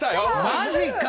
マジか。